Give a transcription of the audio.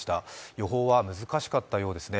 予報は難しかったようですね。